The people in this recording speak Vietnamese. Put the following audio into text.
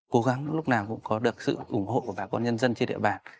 cố gắng lúc nào cũng có được sự ủng hộ của bà con nhân dân trên địa bàn